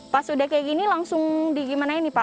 pas udah kayak gini langsung di gimana ini pak